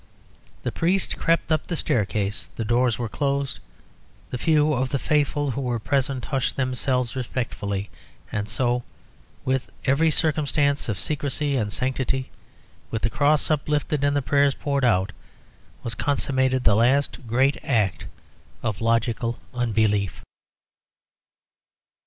The priest crept up the staircase, the doors were closed, the few of the faithful who were present hushed themselves respectfully, and so, with every circumstance of secrecy and sanctity, with the cross uplifted and the prayers poured out, was consummated the last great act of logical unbelief.